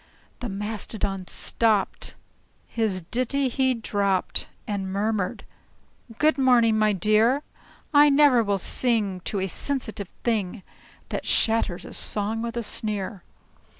The Mastodon stopped, his ditty he dropped, And murmured, "Good morning, my dear! I never will sing to a sensitive thing That shatters a song with a sneer!"